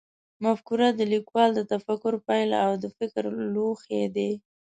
مفکوره د لیکوال د تفکر پایله او د فکر لوښی دی.